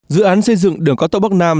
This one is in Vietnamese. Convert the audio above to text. dự án xây dựng đường cao tốc bắc nam